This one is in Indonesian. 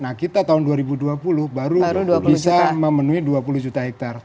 nah kita tahun dua ribu dua puluh baru bisa memenuhi dua puluh juta hektare